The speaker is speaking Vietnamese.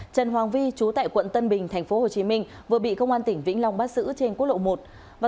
trần hoàng vi chú tại quận tân bình tp hcm vừa bị công an tỉnh vĩnh long bắt giữ trên quốc lộ một